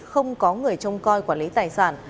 không có người trông coi quản lý tài sản